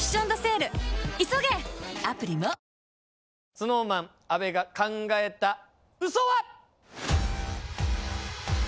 ＳｎｏｗＭａｎ阿部が考えた嘘は？